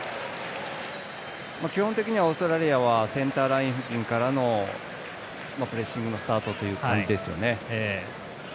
基本的にはオーストラリアはセンターライン付近からのプレッシングのスタートという感じでしょうね。